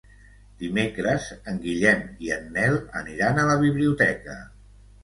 Dimecres en Guillem i en Nel aniran a la biblioteca.